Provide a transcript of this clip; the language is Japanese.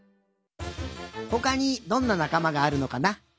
ほかにどんななかまがあるのかな？